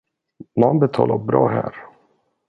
Man betalar bra här.